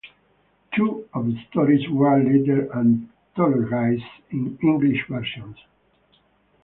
Two of the stories were later anthologized in English versions.